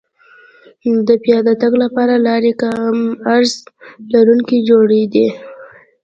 د پیاده تګ لپاره لارې کم عرض لرونکې جوړېدې